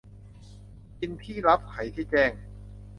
กินที่ลับไขที่แจ้ง